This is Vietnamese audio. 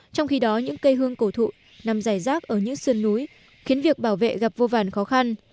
trong khi đó những cây hương cổ thụ nằm giải rác ở những sườn núi khiến việc bảo vệ gặp vô vàn khó khăn